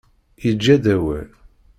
Yeǧǧa-d awal.